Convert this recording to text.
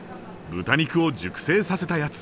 豚肉を熟成させたやつ。